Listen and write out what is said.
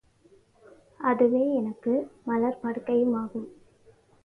அதுவே எனக்கு மலர்ப் படுக்கையுமாகும்.